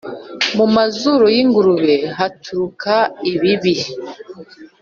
mu mazuru y’ingurube haturuka ibibi